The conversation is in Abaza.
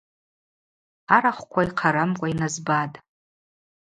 Арахвква йхъарамкӏва йназбатӏ.